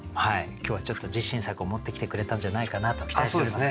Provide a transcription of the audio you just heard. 今日はちょっと自信作を持ってきてくれたんじゃないかなと期待しております。